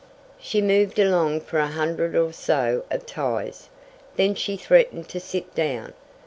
She moved along for a hundred or so of ties, then she threatened to sit down.